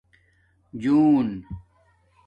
جون